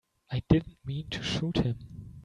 I didn't mean to shoot him.